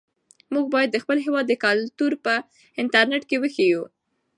موږ باید د خپل هېواد کلتور په انټرنيټ کې وښیو.